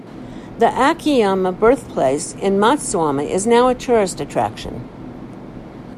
The Akiyama birthplace in Matsuyama is now a tourist attraction.